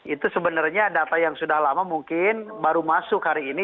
itu sebenarnya data yang sudah lama mungkin baru masuk hari ini